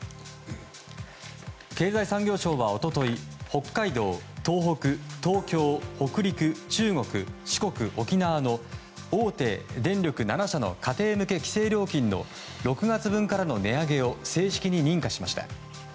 経済産業省は一昨日北海道、東北、東京、北陸中国、四国、沖縄の大手電力７社の家庭向け規制料金の６月分からの値上げを正式に認可しました。